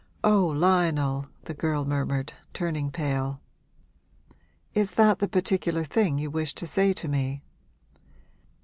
'Oh, Lionel!' the girl murmured, turning pale. 'Is that the particular thing you wished to say to me?'